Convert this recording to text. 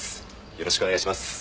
よろしくお願いします。